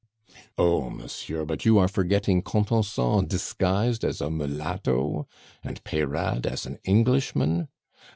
"Oh! monsieur, but you are forgetting Contenson disguised as a mulatto, and Peyrade as an Englishman.